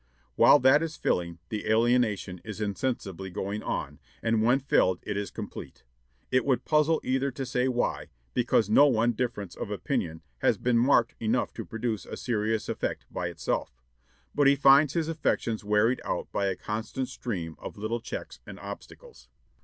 While that is filling, the alienation is insensibly going on, and when filled it is complete. It would puzzle either to say why, because no one difference of opinion has been marked enough to produce a serious effect by itself. But he finds his affections wearied out by a constant stream of little checks and obstacles.